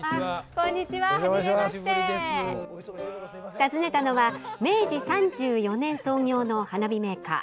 訪ねたのは明治３４年創業の花火メーカー。